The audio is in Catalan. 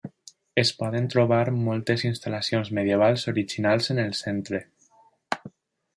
Es poden trobar moltes instal·lacions medievals originals en el centre.